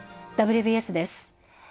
「ＷＢＳ」です。